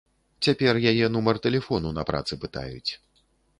Цяпер яе нумар тэлефону на працы пытаюць.